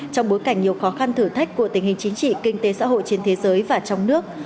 trong bối cảnh nhiều khó khăn thử thách của tình hình chính trị kinh tế xã hội trên thế giới và trong nước